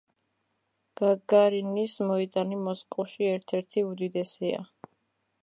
გაგარინის მოედანი მოსკოვში ერთ-ერთი უდიდესია.